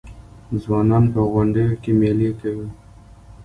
ځوانان په غونډیو کې میلې کوي.